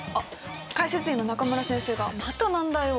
解説委員の中村先生がまた難題を。